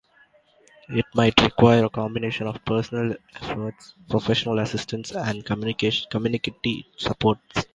It might require a combination of personal effort, professional assistance, and community support.